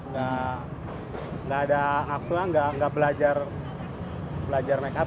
gak ada ngaksul lah gak belajar makeup